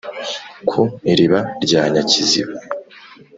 ku iriba rya nyakiziba